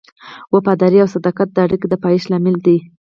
وفاداري او صداقت د اړیکو د پایښت لامل دی.